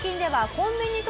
コンビニと。